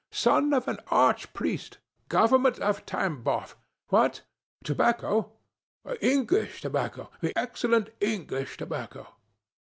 . son of an arch priest ... Government of Tambov ... What? Tobacco! English tobacco; the excellent English tobacco!